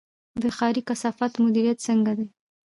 د ښاري کثافاتو مدیریت څنګه دی؟